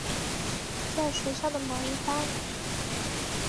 在学校的某一班。